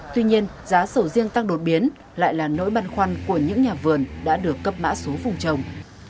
tuy nhiên giá sầu riêng tăng đột biến lại là nỗi băn khoăn của những nhà vườn đã được cấp mã số vùng trồng